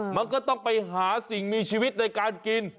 มันก็ต้องไปหาสิ่งมีชีวิตในการกิน